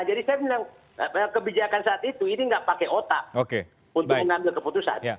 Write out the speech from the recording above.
jadi saya bilang kebijakan saat itu ini enggak pakai otak untuk mengambil keputusan